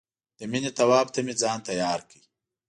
د مینې طواف ته مې ځان تیار کړ.